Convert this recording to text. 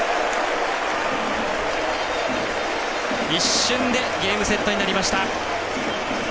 一瞬でゲームセットになりました。